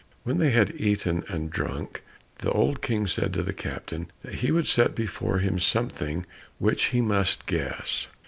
When they had eaten and drunk, the old King said to the captain that he would set before him something which he must guess.